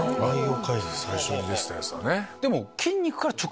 最初に出てたやつだね。